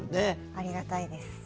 ありがたいです。